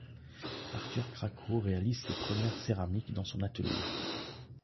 Arthur Craco réalise ses premières céramiques dans son atelier.